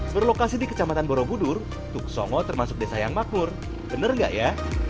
berlokasi di kecamatan borobudur tuk songo termasuk desa yang makmur benar nggak ya